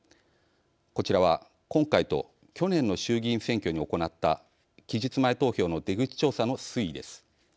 こちらは今回と去年の衆議院選挙に行った期日前投票の出口調査の推移です。